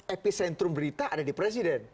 epicentrum berita ada di presiden